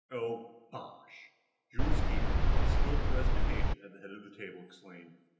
"Oh, bosh!" Jules Keaveney, the Skilk Resident Agent, at the head of the table, exclaimed.